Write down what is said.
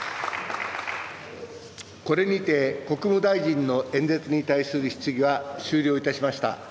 これにて国務大臣の演説に対する質疑は終了いたしました。